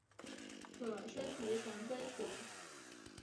可升级成奔熊。